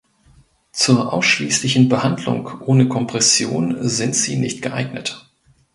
Zur ausschließlichen Behandlung ohne Kompression sind sie nicht geeignet.